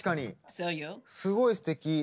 すごいすてき。